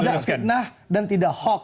tidak fitnah dan tidak hoax